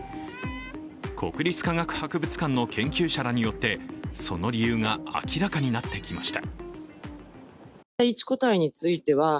国立科学博物館の研究者らによって、その理由が明らかになってきました。